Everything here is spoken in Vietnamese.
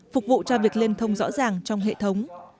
phục vụ cho việc liên thông rõ ràng trong hệ thống